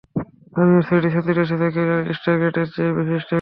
তামিমের ছয়টি সেঞ্চুরি এসেছে ক্যারিয়ার স্ট্রাইক রেটের চেয়ে বেশি স্ট্রাইক রেটে।